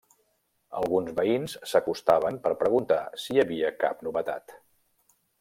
Alguns veïns s'acostaven per preguntar si hi havia cap novetat.